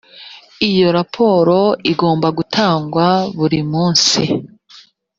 iyo raporo igomba gutangwa buri munsi